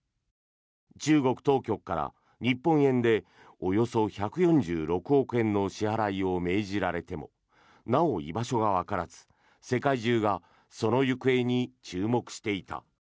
中国当局から日本円でおよそ１４６億円の支払いを命じられてもなお、居場所がわからず世界中がその行方に注目していた。